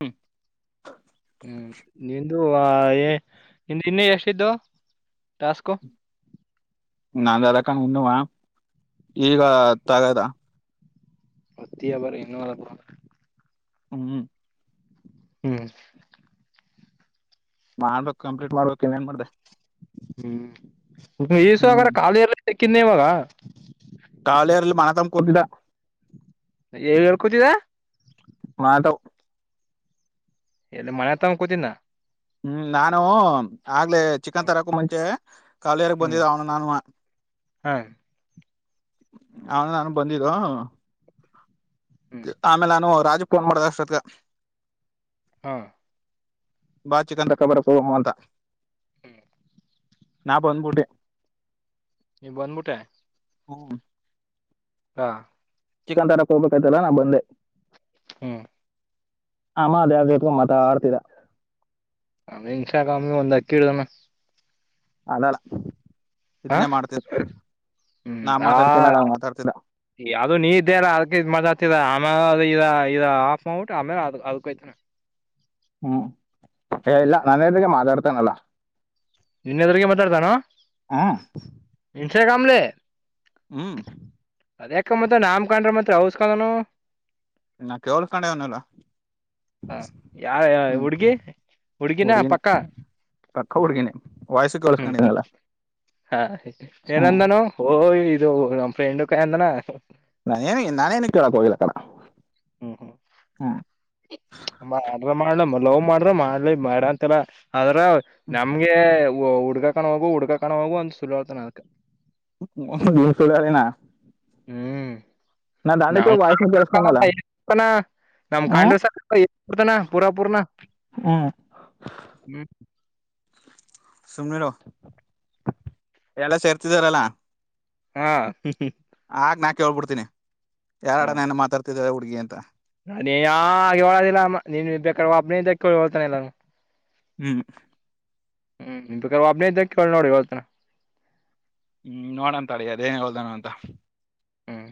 ಹ್ಮ ಹ್ಮ್ ನಿಂದು ನಿ ಇನ್ನು ಎಷ್ಟಿದ್ದು ಟಾಸ್ಕೋ ನಾಂದ ಅದಕಣಣುವ ಈಗ ತಗದ ಪ್ರತಿ ಅಬಾರ ಇಏನು ಅಬ ಹ್ಮ್ ಹ್ಮ್ ಮಾಡ್ಬೇಕು ಕಂಪ್ಲೀಟ್ ಮಾಡ್ಬೇಕು ಇನೇನ್ ಮಾಡ್ದ ಹ್ಮ್ ಈಸಗ್ರ ಹ್ಮ್ ಖಾಲಿ ಇರ್ಲ್ಲ ಸಿಕ್ಕಿಂದೆ ಇವಾಗ ಕೊಟ್ಟಡ ಹೇಳ್ಕೂತಿದ ಮಾತಾವ್ ಎಲ್ಲಿ ಮನೆ ತಗ ಕೂತಿನ ಹ್ಮ್ ನಾನು ಆಗ್ಲೆೇ ಚಿಕನ್ ತರಕು ಮುಂಚೆ ಕಖಾಲಿಯಾರಗ್ ಹ್ಮ್ ಬಂದಿದ ಅವನು ನಾನು ಹಾ ಅವನ ನಾನು ಬಂದಿದ್ದು ಹ್ಮ್ ಆಮೇಲೆ ನಾನು ರಾಜು ಫೋನ್ ಮಾಡ್ದ ಅಷ್ಟತ್ಗ ಹಾ ಬಾ ಚಿಕನ್ ಕಬರಕ್ಕ ಅಂತ ಹ್ಮ್ ನಾ ಬಂದ್ಬುಟ್ಟೆ ನೀ ಬಂದ್ಬಿಟ್ಟೆ ಹ್ಮ ಹಾ ಚಿಕನ್ ತರಕ್ ಹೋಗ್ಬೇಕಾಯತಲ್ಲ ನಾ ಬಂದೆ ಹ್ಮ್ ಆಮ ಅದೇ ಯ ಮತ ಆಡ್ತೀರ ಅವೇ ಇನ್ಷ ಕಾಮಿ ಒಂದ್ ಅಕ್ಕಿಡ್ದಾನ ಅದಲ್ಲ ಹಾ ಇದನ್ನೇ ಮಾಡ್ತಿದ ನಾ ಹ್ಮ ಮಾತಾಡ್ತೀನ ಆ ಮಾತಾಡ್ತಿದ ಅದು ನೀ ಇದ್ದೇಲ್ಲ ಅರ್ಕ ಮಾಡತರ ಆಮ ಇದ ಇದ ಹಾಫ್ ಔಟ್ ಆಮೇಲೆ ಅ ಅದೋಯ್ತಾನ ಹ್ಮ್ ಏ ಇಲ್ಲ ನನ್ದಗೆ ಮಾತಾಡ್ತೇನಲ್ಲ ನಿನ್ನೆಾದ್ರಗ ಮಾತಾಡ್ತಾನೋ ಹ್ಮ್ ಇನ್ಸ್ಟಾಗ್ರಾಮ್ಲೆ ಹ್ಮ್ ಅದ್ಯಾಕ ಮತ್ತ ನಾಮ್ ಕಂಡ್ರ ಮತ್ರ ಔಸ್ಕನು ಇನ್ನಾ ಕೇಳ್ ಕಣವನಲ್ಲ ಹ ಯಾರ ಹುಡ್ಗಿ ಹುಡ್ಗಿನ ಹುಡ್ಗಿನೇ ಪಕ್ಕ ಪಕ್ಕ ಹ್ಮ್ ಹುಡ್ಗಿನೇ ವಾಯ್ಸು ಹ್ಮ್ ಕೇಳಸ್ಕೊಂಡಿದಲ್ಲ ಹಾ ಹ್ಮ್ ಏನಂದಾನೋ ಇದು ನಮ್ಮ್ ಫ್ರೆಂಡ್ ಕ ಎಂದನಾ ನಾನೇನು ನಾನೇನ ಕಳ ಹೋಗಿಲ್ಲ ಕಣ ಹ್ಮ್ ಹ್ಮ್ ಹ್ಮ್ ಮಾಡ್ರ ಮಾಡ್ಲಿ ಲವ್ ಮಾಡ್ರ ಮಾಡ್ಲಿ ಮಾಡಂತೆಲ್ಲ ಆದ್ರ ಹ್ಮ್ ನಮ್ಗೆ ಹುಡ್ಗಾ ಕಾಣ ಹೋಗುಡ್ಕ ಕಣ ಹೋಗು ಒಂದ ಸುಲತನ ಸಲ ಆನ ಹ್ಮ್ ನ ವಾಯ್ಸ್ ಕೇಳಸ್ಕೊಂಡಲ್ಲ [unintelligible] ನಮ್ ಹ್ಮ್ ಕಾಂಡಸಡ್ತಾನ ಪೂರಾ ಪೂರ್ನ ಹ್ಮ್ ಹ್ಮ [unintelligible] ಸುಮ್ನೆರು ಎಲ್ಲ ಸೇರ್ತಿದಾರಲ್ಲ ಹಾ ಆಗ್ ನಾ ಕೇೇಳಬಿಡ್ತೀನಿ ಯರಡ ನಾನ ಮಾತಾಡ್ತಿದೇದ್ದಾರೆ ಹುಡ್ಗಿ ಅಂತ ಅದ ಯ ಹೇಳಳದಿಲ್ಲ ನೀ ಬೇಕಾದ್ರ ಒಾಬ್ನ ಇದ್ದ ಕೇಳಿ ಹಳ್ತಾನ ಇಲ್ಲಾನು ಹ್ಮ್ ಹ್ಮ್ ಒಬ್ನೇ ಇದ್ದ ಕೇಳಿ ನೋಡಿ ಅವತನ ಹ್ಮ್ ನೋಡಂತಳ ಅದೇನ್ ಹೇಳ್ದಾನ ಅಂತ ಹ್ಮ್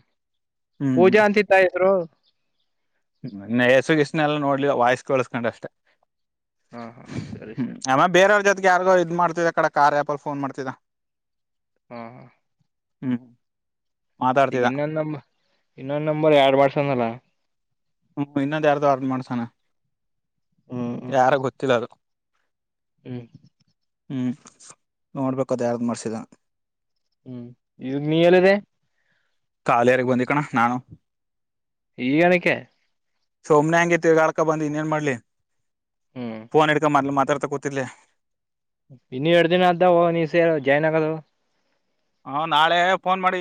ಪೂಜ ಅಂತಿದ್ದ ಇದ್ರು ಹೆಸರುಗಿರುನೆಲ್ಲ ಎಲ್ಲ ನೋಡ್ಲಿ ವಾಯ್ಸ್ ಕೋಳ್ಿಸಸ್ಕೊಂಡ ಅಷ್ಟೆ ಹಾ ಹಾ ಸರಿ ಸರಿ ್ ಯಾರ್ಗೋ ಇದ್ ಮಾಡ್ತಿದ ಕಡೆ ಕಾರ್ ಯಪ ಫನ್ ಮಾಡ್ತಿದ್ದ ಹಾ ಹಾ ಹ್ಮ್ ಹ್ಮ ಈಗ ಇನ್ನೊಂದ್ ನಂಬ ಇನ್ನೊಂದ್ ನಂಬರ್ ಎರಡ್ ಮಾಡಸನಲ ಹ್ಮ್ ಇನ್ನೊಂದ ಯಾರ್ದು ವರ್ ಮಾಡ್ಸಣ ಹ್ಮ್ ಹ್ಮ್ ಯಾರ ಗೊತ್ತಿಲ್ಲ ಅದು ಹ್ಮ್ ಹ್ಞೂ ನೋಡ್ಬೇಕು ಅದು ಯಾರ್ದು ಮಾಡಸಿದ ಹ್ಮ್ ಇ ನೀ ಎಲ್ಲಿದೆ ಕಾಲಿಯಾರಗ್ ಬಂದಿಕಣ ನಾನು ಈಜ್ ಆಡಕ್ಕೆ ಕ್ಕೆ ಸುಮ್ನೆ ಹೆಂಗೇ ತಿರ್ಗಾಡಕ್ಕೆ ಬಂದ್ ಇನ್ನ ಏನ್ ಮಾಡ್ಲಿ ಹ್ಮ್ ಫೋನ್ ಹಿಡ್ಕ ಮದ್ಲಿ ಮ ತರ್ ತ ಕೋತಿಿಲ್ಲ ಇನ್ ಎರಡು ದಿನ ಆದ್ದ ನೀ್ ಸೇರ ಜಾಯ್ನ್ ಆಗೋದು ಹಾ ನಾಳೆ ಫೋನ್ ಮಾಡಿ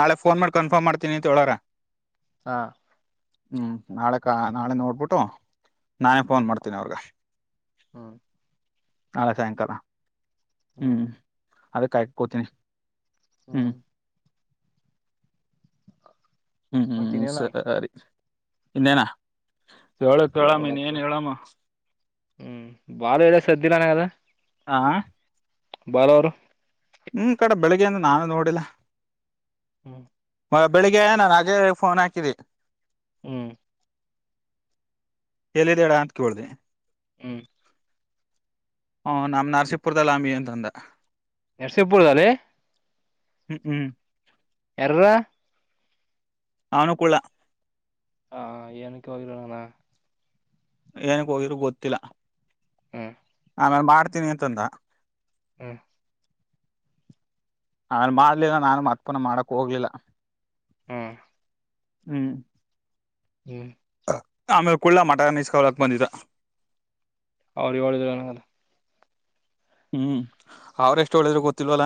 ನಾಳೆ ಫೋನ್ ಮಾಡಿ ಕನ್ಫರ್ಮ್ ಮಾಡ್ತೀನಿ ತೊಳರ ಹಾ ಹ್ಮ್ ನಾಳೆ ಕ ನಾಳೆ ನೋಡ್ಬಿಟ್ಟು ನಾನೇ ಫೋನ್ ಮಾಡ್ತೀನಿ ಅವರ್ಗ ಹ್ಮ ನಾಳೆ ಸಾಯಂಕಾಲ ಹ್ಮ್ ಅದಕ್ಕೆಾಯಕೋತೀನಿ ಹ್ಮ ಹ್ಮ್ ಮತ್ತ ಹ್ಮ್ ಇನ್ನೇನ ಸರಿ ಇನ್ನೇನಾ ಜೇಲು ಕೆಳಮ ನೀ ಏನ್ ಹೇಳಾಮ ಹ್ಮ್ ಬಾಳ ಹೇಳ ಸ್ದಿಲ್ಲನ ಅದ ಆಾ ಬರರು ಹ್ಮ್ ಕಡೆ ಬೆಳಿಗ್ಗೆಯಂದ್ರ ನಾನು ನೋಡಿಲ್ಲ ಹ್ಮ್ ಮ ಬೆಳಿಗ್ಗೆ ನಾನು ಅಜೇ ಫೋನ್ ಹಾಕಿದ್ದ ಹ್ಮ್ ಎಲ್ಲಿದೆಡ ಅತ್ಕಬಳ್ದಿ ಹ್ಮ್ ಹ ನಮ್ಮ ನರಸೀಪುರ್ದಲ್ಲಂಬಿ ಅಂತಂದ ನರಸಿಂಗಪುರ ಜಲ್ಲ ಹ್ಮ್ ಹ್ಮ್ ಎರ ಅಾನಕೂಲ ಹಾ ಏನಕ್ಕೆ ಹೋಗಿಲ್ಲ ನಾನ ಏನಕ್ಕೆ ಹೋಗಿದ್ರರು ಗೊತ್ತಿಲ್ಲ ಹ್ಮ್ ಆಮೇಲೆ ಮಾಡ್ತೀನಿ ಅಂತಂದ ಹ್ಮ್ ನಾನು ಮಾಡ್ಲಿಲ್ಲ ನಾನು ಮತ್ಪನ ಮಾಡಕ್ ಹೋಗ್ಲಿಲ್ಲ ಹ್ಮ್ ಹ್ಮ್ ಹ್ಮ್ ಆಮೇಲೆ ಕುಳ್ಳ ಮಟನ್ ಇಸ್ಕಲಕ್ ಬಂದಿದ್ದ ಅವ್ರ ಇಳ ಇದ್ರನದ ಹ್ಮ್ ಅವರು ಎಷ್ಟು ಹೇಳಿದ್ರೂ ಗೊತ್ತಿಲ್ವಲ್ಲ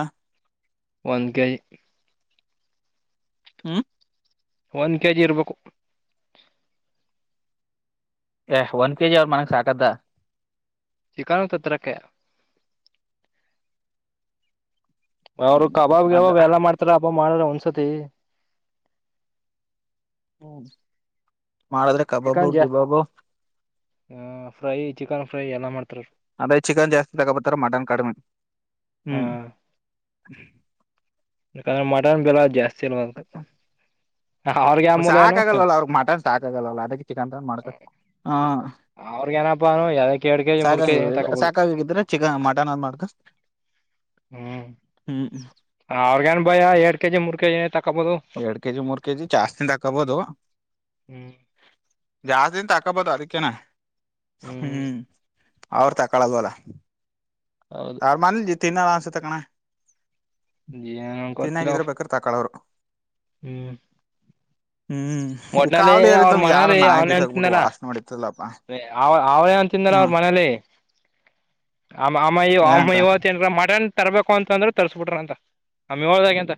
ಒಂದ್ ಕೆಜಿ ಹ್ಮ ಒಂದ್ ಕೆ ಜಿ ಇರಬೇಕು ಎಸ್ಟ್ ಒನ್ ಕೆಜಿ ಅವರು ಮನೆಗೆ ಸಾಕದಾ ಚಿಕಾನ್ ತತ್ರಕ್ಕೆ ಅವರು ಹ್ಮ್ ಕಬಾಬ್ ಹಂಗ ಗಿಬಾಬ್ ಎಲ್ಲಾ ಮಾಡ್ತಾರೆ ಅಬ್ಬ ಮಾಡಾರ ಒಂಸತಿ ಹ್ಮ್ ಮಾಡದ್ರೆ ಕಬಾಬು ಚಿಕನ್ ಜಾ ಗಿಬಾಬು ಫ್ರೈ ಚಿಕನ್ ಫ್ರೈ ಎಲ್ಲಾ ಮಾಡ್ ಅದೇ ಚಿಕನ್ ಜಾಸ್ತಿ ತಗೋ ಬತ್ತಾರ ಮಟನ್ ಕಡಿಮೆ ಹ ಹ್ಮ್ ಯಾಕಂದ್ರೆ ಮಟನ್ ಬೆಲೆ ಜಾಸ್ತಿ ಅಲ್ವ ಅದಕ್ಕ ಸಾಕ ಆಗಲ್ವಾಲ್ಲ ಅವ್ರಗ್ ಮಟನ್ ಸಾಕ ಆಗಲ್ವಾಲ್ಲ ಅದಕ್ಕೆ ಚಿಕನ್ ತಂದ್ ಮಾಡ್ಕೋ ಅವ್ರಗ ಏನಪ್ಪಾನು ಎದಕ್ಕೆ ಎರಡ್ ಕೆಜಿ ಮೂರ್ ಸಾಕಾಗಿ ಕೆಜಿ ತಕೋಬಹುದು ಸಾಕಾಗಿಂದ್ರೆ ಚಿಕನ್ ಮಟನ್ ಅದ್ ಮಾಡಕ ಹ್ಮ್ ಅವರಿಗೇನ್ ಬಾಯ ಎರಡ್ ಕೆಜಿ ಮೂರ್ ಕೆಜಿ ನೆ ತಕ್ ಎರಡ್ ಕೆಜಿ ಮೂರ್ ಕೆಜಿ ಜಾಸ್ತಿಂದ ತಾಕೊಬೋದು ಹ್ಮ್ ಜಾಸ್ತಿಂದ್ ತಾಕಬೋದು ಅದಕ್ಕೆೇನೆ ಹ್ಮ್ ಅವರು ತಾಕಳಲ್ವಲ್ಲ ಹೌದು ಅವರ್ ಮನ್ಲಿ ತಿನ್ನಲ್ಲ ಅನ್ನಿಸುತ್ತೆಕ್ಕಣ ಏನ್ ಗೊತ್ತಿಲ್ಲ ತಿನ್ನಾಗಿದ್ರೆ ಬೇಕಾದ್ರೆ ತಕಳೋವ್ರು ಹ್ಮ್ ಹ್ಮ್ ಈ ಒಟ್ನಲ್ಲಿ ಅವ್ರ ಕಾವಲಿತುಮ್ ಯಾರೋ ಮನೇಲಿ ನಾಯಿ ಅವನೇ ಬಿಸಾಕ್ಬಿಟ್ಟು ಅಂತಿಂದಲ್ಲ ವಾಸನೆ ಹೊಡಿತ್ತಲ್ಲಪ್ಪ ಅವ ಅವನೇ ಅಂತಿಂದಲ್ಲ ಹ್ಮ ಅವ್ರ ಮನೇಲಿ [unintelligible] ಅಮ್ಮ ಅಮ್ಮ ಇವತ್ತು ಆ ತರಬೇಕು ಅಂತ ಅಂದ್ರೆ ತರ್ಸ್ಬಿಟ್ರೀ ಅಂತ ಆ ಮಿ ಹೋದಗ ಅಂತ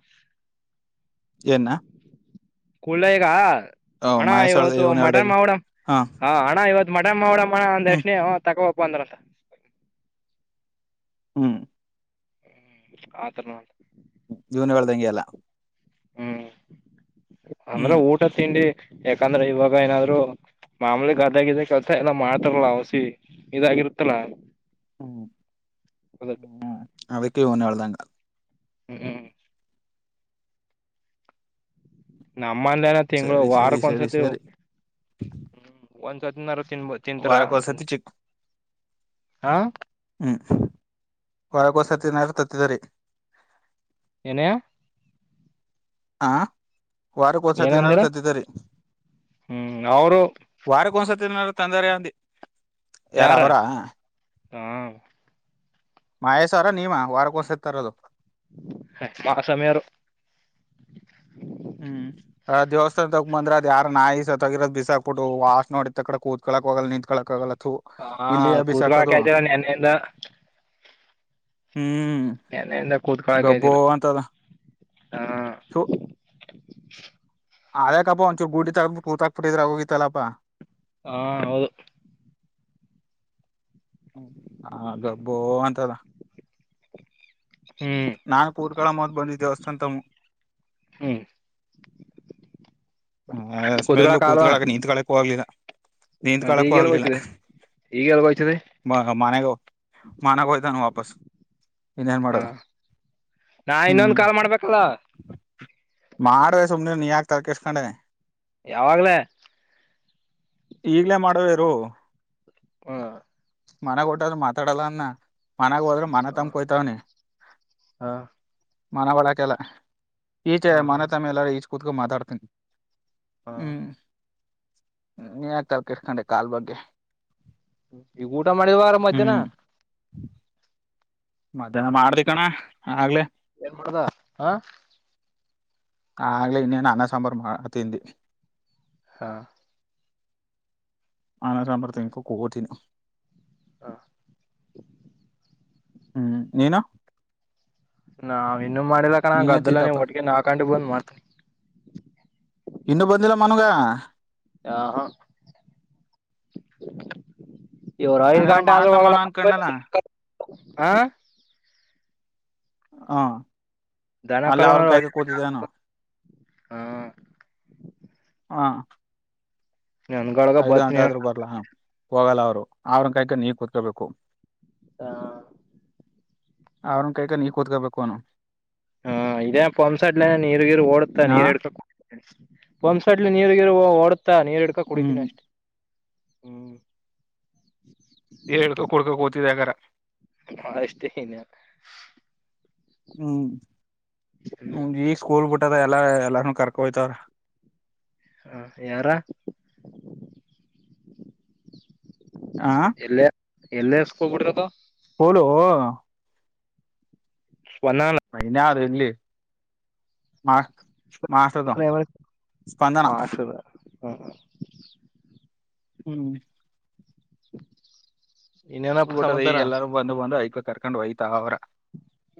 ಏನ ಕುಲೈಯಗ ಓ ಅಣ್ಣ ಮಹೇಶ್ ಹೇಳ್ದ ಇವತ್ತು ಇವನ್ ಮಟನ್ ಹೇಳ್ದಾಗ ಮಾಡ್ಬುಡ ಹಾ ಅಣ್ಣ ಇವತ್ ಮಟನ್ ಮಾಡ್ಬಾನ ಅದ್ ಹ್ಮ್ ಯಕ್ಷ್ಣೇ ತಗೊ ಹೋಗ್ ಬಂದರತ ಹ್ಮ್ ಹ್ಮ ಆತರ ನ ತಂಗ್ಯಲ್ಲ ಹ್ಮ್ ಅಂದ್ರೆ ಹ್ಮ್ ಊಟ ತಿಂಡಿ ಯಾಕಂದ್ರೆ ಇವಾಗ ಏನಾದ್ರು ಮಾಮೂಲಿ ಗದಾಗಿದ ಕೆಲಸ ಎಲ್ಲಾ ಮಾಡ್ತಾರಲ್ಲ ಔಸಿ ಇದಾಗಿರ್ ಮತ್ತಲ್ ಹ್ಮ ಹ್ಮ್ ಅವಕ್ಕೆ ಇವ್ನ ಹೇಳದಂಗ ಹ್ಮ್ ಹ್ಮ್ ನಮ್ಮಲ್ಲಿ ಎಲ್ಲಾ ತಿಂಗಳು ಸರಿ ಸರಿ ವಾರಕ್ ಸರಿ ಒಂದ್ಸತಿ ಸರಿ ಒಂದ್ಸತಿನರು ತಿನ್ಬೊದ್ ತಿನ್ತರಾ ಅಂತ ವಾರಕ್ಕೊಂದ್ಸತಿ ಚಿಕ್ ಹ ಹ್ಮ್ ವಾರಕ್ಕೊಂದ್ಸತಿ ಏನಾರು ತತ್ತಿದರಿ ಎನೆ ಹ ವಾರಕ್ಕೆ ಒಂದ್ಸತಿ ಏನಾರೂ ಏನಂದಿರ ತತ್ತಿದ್ದ ರೀ ಹ್ಮ್ ಅವರು ವಾರಕ್ಕೆ ಒಂದ್ಸತಿನಾರೂ ತಂದರೆ ಅಂದಿ ಯಾರ್ ಅವ್ರಾ ಹಾ ಮಹೇಶ್ ಅವರ ನೀವ ವಾರಕ್ಕ ಒನ್ಸ್ ಸಾರಿ ತರೋದು ಹ ಮಹ ಸಮಿಯಾರು ಹ್ಮ್ ದೇವಸ್ಥಾನ ತಗ ಬಂದ್ರೆ ಅದ್ ಯಾರೊ ನಾಯಿ ಸತೊಗಿರೊದು ಬಿಸಾಕ್ಬಿಟ್ಟು ವಾಸನೆ ಒಡಿದತ್ತ ದತ್ತ ಕೂತ್ಕೊಂಡ್ ಕೂತ್ಕೋಳಕ್ಕೆ ಆಗಲ್ಲ ನಿತ್ಕಳಕ್ ಆಗಲ್ಲ ಥೂ ಹಾ ಇಲ್ಲಿ ಎಂ ಕೂತ್ಕೊಳಕ್ ಬೀಸಾಕದು ಆಯ್ತಿಲ್ಲ ನೆನ್ನೆಯಿಂದ ಹ್ಮ್ ನೆನ್ನೆಯಿಂದ ಕೂತ್ಕೊಳಕ್ ಆಯ್ತಿಲ್ಲ ಗೊಬ್ಬೊ ಅಂತದ ಹಾ ಅದಕ್ಕಪ್ಪ ಒಂದಚೂ ಗುಡಿ ತಕ್ಬಿಟ್ಟ ಕೂತಾಬ ಬಿಟ್ಟಿದ್ರ ಹೋಗಿತಲ್ಲಪ್ಪಾ ಹಾ ಹೌದು ಹ ಗಬ್ಬೋ ಅಂತದ ಹ್ಮ್ ನಾಾನು ಪೋರ್ಕಳ ಮತ್ ಬಂದಿದ್ದ ಹೊಸಂತ [unintelligible] ಹ್ಮ್ ಹ ಸ್ಮೆಲ್ಲು ಕುತ್ಗಳಕ್ ಆಗಲ್ವಾ ಕೂತ್ಗಳಕ ನಿಂತ್ ಕಳಕ್ಕ ಹೋಗ್ಲಿಲ್ಲ ನಿಂತತ್ ಮತ್ತ ಕಳಕ್ಕ ಈಗೆಲ್ ಆಗ್ಲಿಲ್ಲ ಹೋಯ್ತದೆ ಈಗೆಲ್ ಹೋಯ್ತದೆ ಮ ಮನೆಗ ಮಾನಾಗೋಯ್ದಾನು ವಾಪಸ್ ಇನ್ನೇನ್ ಹಾ ಮಾಡೋದು ನಾ ಇನ್ನೊಂದು ಕಾಲ್ ಮಾಡ್ಬೇಕಲ್ಲ ಮಾಡ್ದೆ ಸುಮ್ನೆ ನೀ ಯಾಕೆ ತಲೆಕೆಡಿಸಿಕೊಂಡೆ ಯಾವಾಗ್ಲ ಈಗ್ಲೇ ಮಾಡುವೇರು ಹಾ ಮನ ಕೊಟ್ಟಾದ್ರರು ಮಾತಾಡಲ್ಲ ಅನ್ನ ಮನಾಗ ಹೋದ್ರ ಮನ ಹಾ ತಮಕೋಯ್ತಾವನಿ ಮನ ಬಳಾಕ ಎಲ್ಲ ಈಚೆ ಹಾ ಹಾ ಮಾನತಮ್ಮಿ ಎಲ್ಲಾರ ಈಚೆ ಕುೂತ್ಕ ಮಾತಾಡ್ತನಿ ಹಾ ಹ್ಮ್ ಹ್ಮ ನೀ ಯಾಕ್ ತಲೆ ಕೆಡಿಸಿಕೊಂಡೆ ಕಾಲ್ ಬಗ್ಗೆ ಈಗ ಊಟ ಮಾಡಿದಾರ ಮಧ್ಯಾಹ್ನ ಹ್ಮ್ ಮಧ್ಯಾಹ್ನ ಮಾಡ್ದ ಕಣ ಕಣೋ ಆಗಲೇ ಏನ್ ಮಾಡದಾ ಹಾ ಆಗಲೇ ಇನ್ನೇನು ಅನ್ನ ಸಾಂಬಾರು ತಿಂದ್ವಿ ಹಾ ಅನ ಕಂಬ್ರತಂಗಕ ಕೋಗದಿನ [unintelligible] ಹಾ [unintelligible] ಹ್ಮ್ ನೀನು ನಾವ ಇನ್ನುೂ ಮಾಡಿಲ್ಲಕಣ ನೀನೇ ಅದ್ದೆಲ್ಲ ನೀ ತಿಂದಪ್ಪ ಒಟ್ಟಗ ನಾಕು ಬಂದ್ ಮಾಡ್ತ ಇನ್ನುೂ ಬಂದಿಲ್ಲ ಮನೆಗೆ ಆಾ ಹಾ ಇವರು ಐದು್ ನಾನೇದೋ ಗಂಟೆ ಆದ್ರೂ ಮಾನತಮ್ಮನ ಅನ್ಕೊಂಡಲ್ಲ ಹಾ [unintelligible] ಹ ಅಲ್ಲಿ ಅವ್ರನ್ ಕಾಯ್ಕೊಂಡು ಕೂತಿದಾನ ಹಾ ಹಾ ನನ್ಗೊಳಗ ಐದ್ ಗಂಟೆ ಬತ್ನಿ ಆದ್ರರು ಬರ್ಲಾ ಹೋಗಲ್ಲ ಅವ್ರು ಅವ್ರನ್ ಕಾಯಕ ನೀ ಕೂತ್ಕೊಬೇಕು ಹಾ ಅವ್ರನ್ ಕೈಕ ನೀ ಕೂತ್ಕೋಬೇಕು ಅವನು ಹಾ ಇದೇ ಪಂಪ್ಸಡ್ಲ ನೀರುಗಿರು ಓಡುತ್ತಾ ಹಾ ನೀರ್ ಇಡ್ಕಕ್ ಪಂಪ್ಸಡ್ಲಿ ನೀರುಗಿರು ಓಡುತ್ತ ಮತ್ತಾ ನೀರು ಇಡ್ಕೋ ಕುಡಿದೀನಿ ಹ್ಮ್ ಅಷ್ಟೇ ಹ್ಮ್ ಹೇಳ್ಕೊ ಕೊಡ್ಕೊ ಕೂತಿದೆ ಹಾಗಾರ ನ ಅಷ್ಟೇ ನ ಹ್ಮ್ ಹ ಸ್ಕೂಲ್ ದ ಎಲ್ಲಾ ಎಲ್ಲಾನು ಕರ್ಕೊಯ್ತವ್ರ ಹಾ ಯಾರಾ ಆ ಎಲ್ಲ ಎಲ್ಲೇ ಸ್ಕೂಲ್ ಬಿಡೋದು ಸ್ಕೂಲು ಸ್ವನಾಲ ಮೈನ್ [unintelligible] ಅದಲ್ಲಿ ಮಾಸ್ದೋ [unintelligible] ಪ್ರೈಮರಿ ಸ್ಪಂದನ ಹ್ಮ ಹಾ [unintelligible] ಹ್ಮ್ [unintelligible] ಹಊಡ್ಬ ಇನ್ನೇನಪ್ಪ [unintelligible] ಬಿಟ್ರ ಈಗ ಸಮಾಚಾರ ಎಲ್ಲಾರೂ ಬಂದು ಬಂದು ಐ್ಕ ಕರ್ಕೊಂಡ್ ಹಯ್ತ ಅವ್ರ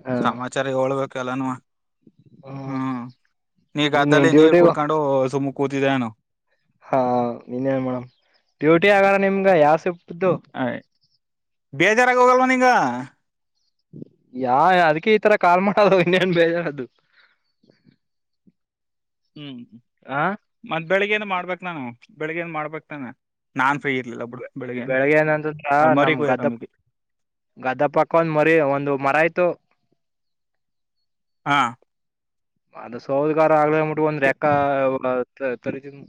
ಹ ಸಮಾಚಾರ ಹಓಳ್ಬೇಕು ಎಲ್ಲಾನೂ ಹ್ಮ್ ನಿನ್ ಗದ್ದೆಯಲ್ಲಿ ಇನ್ನೇನ್ ನೀರ್ ಡ್ಯೂಟಿಗ ಕುಡ್ಕೊಂಡು ಸುಮ್ಮ ಕೂತಿದ್ದನು ಹಾ ನೀನೇನ್ ಮೇಡಮ್ ಡ್ಯೂಟಿ ಆಗಾರ ನಿಮ್ಗ ಯಾವ ಸಿ ಹಯ್ ಬೇಜಾರಾಗ ಹೋಗಲ್ವಾ ನಿಂಗ ಯಾ ಅದಕ್ಕೆ ಈ ತರ ಕಾಲ್ ಮಾಡದು ಇನ್ನೇನ್ ಬೇಜಾರ್ದು ಹ್ಮ್ ಮತ್ತ ಬೆಳಿಗ್ಗೆನ್ ಮಾಡ್ಬೇಕ್ ನಾನು ಬೆಳಿಗ್ಗೆನ್ ಮಾಡ್ಬೇಕ್ ತಾನೆ ನಾನ್ ಫ್ರೀ ಇರ್ಲಿಲ್ಲ ಬಿಡು ಬೆಳಿಗ್ಗೆಯಿಂದ ಬೆಳಿಗ್ಗೆ ಏನಂತಂದ್ರ ನಮ ಅಲ್ಮರಿಗ್ ಗದ್ದೆ ಹೋಯ್ತಂಬಿದ್ದಿ ಗದೆ ಪಕ್ಕ ಒಂದ್ ಮರಿ ಒಂದು ಮರ ಇತ್ತು ಹಾ ಅದು ಸೋದ್ಗಾರ ಆಗ್ಲಿ ಅಂಬುಟ ಬೂಟ್ಟ ಒಂದ್ರ ಎಕ್ಕಾ ತರಿತ್ತಿನ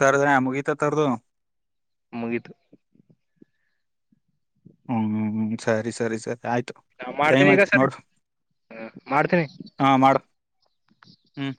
ತರದ್ಯಾ ಮುಗೀತಾ ತರದ್ದು ಮುಗಿತ ಹ್ಮ್ ಸರಿ ಸರಿ ಸರಿ ಆಯ್ತ ನಾ ಮಾಡ್ತಿನಿ ಈಗ ಸರಿ ಹ ಮಾಡ್ತಿನಿ ಹಾ ಮಾಡು ಹ್ಮ್